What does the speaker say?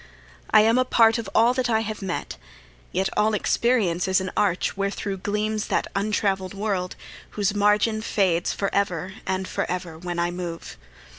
I am a part of all that I have met; Yet all experience is an arch wherethro' Gleams that untravell'd world whose margin fades For ever and forever when I move.